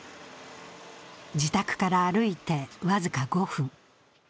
自宅から歩いて僅か５分。